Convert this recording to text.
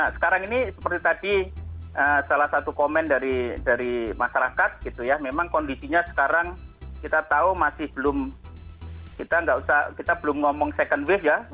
sekarang ini seperti tadi salah satu komen dari masyarakat gitu ya memang kondisinya sekarang kita tahu masih belum kita nggak usah kita belum ngomong second wave ya